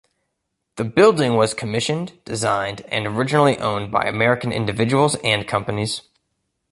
The building was commissioned, designed and originally owned by American individuals and companies.